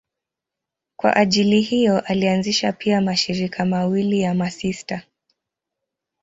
Kwa ajili hiyo alianzisha pia mashirika mawili ya masista.